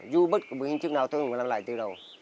dù bất cứ bước hình chức nào tôi cũng làm lại từ đầu